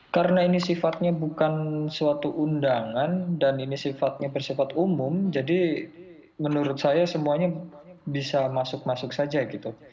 karena ini sifatnya bukan suatu undangan dan ini sifatnya bersifat umum jadi menurut saya semuanya bisa masuk masuk saja gitu